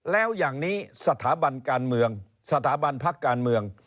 แล้วอย่างนี้สถาบันการเมืองสถาบันพักการเมือง